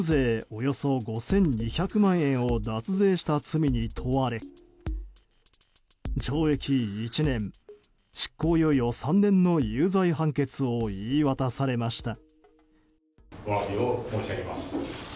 およそ５２００万円を脱税した罪に問われ懲役１年執行猶予３年の有罪判決を言い渡されました。